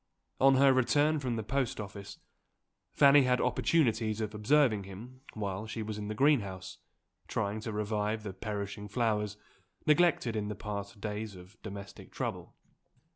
On her return from the post office, Fanny had opportunities of observing him while she was in the greenhouse, trying to revive the perishing flowers neglected in the past days of domestic trouble.